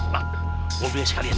mak mau belaj kagian bang